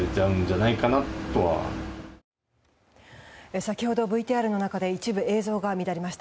先ほどＶＴＲの中で一部、映像が乱れました。